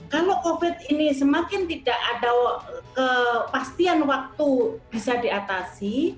kalau covid ini semakin tidak ada kepastian waktu bisa diatasi